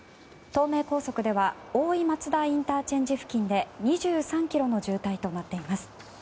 東名高速では大井松田ＩＣ付近で２３ｋｍの渋滞となっています。